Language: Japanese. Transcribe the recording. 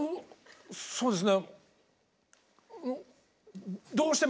そうですね